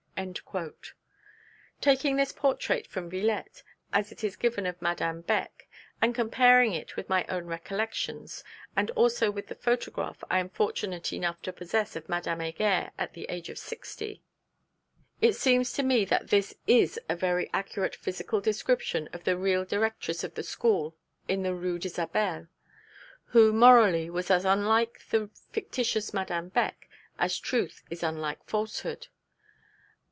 _' Taking this portrait from Villette, as it is given of Madame Beck, and comparing it with my own recollections, and also with the photograph I am fortunate enough to possess of Madame Heger at the age of sixty, it seems to me that this is a very accurate physical description of the real Directress of the school in the Rue d'Isabelle; who morally was as unlike the fictitious Madame Beck as truth is unlike falsehood.